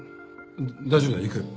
大丈夫だよ。行くよ